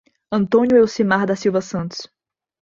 Antônio Elcimar da Silva Santos